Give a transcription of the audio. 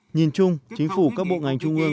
nhìn chung chính phủ các bộ ngành trung ương